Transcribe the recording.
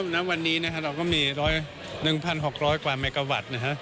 ในวันนี้เราก็มี๑๖๐๐กว่าเมกะวัตต์